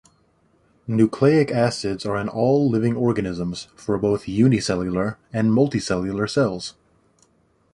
Nucleic acids are in all living organisms for both unicellular and multi-cellular cells.